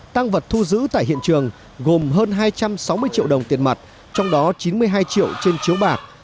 tăng vật thu giữ tại hiện trường gồm hơn hai trăm sáu mươi triệu đồng tiền mặt trong đó chín mươi hai triệu trên chiếu bạc